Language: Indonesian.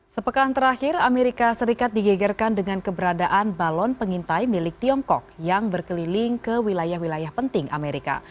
sepekan terakhir amerika serikat digegerkan dengan keberadaan balon pengintai milik tiongkok yang berkeliling ke wilayah wilayah penting amerika